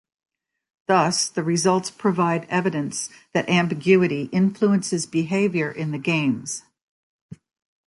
Thus, the results provide evidence that ambiguity influences behaviour in the games.